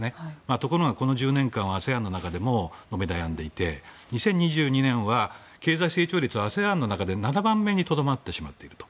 ところが、この１０年間はＡＳＥＡＮの中でも伸び悩んでいて２０２０年は経済成長率はＡＳＥＡＮの中で７番目にとどまってしまっていると。